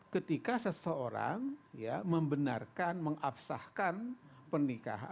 ketika seseorang ya membenarkan mengabsahkan pernikahan